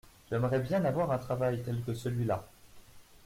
J’aimerais bien avoir un travail tel que celui-là.